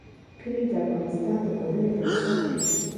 کلي د افغانستان د پوهنې په نصاب کې دي.